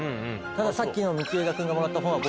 たださっきの道枝君がもらった本は。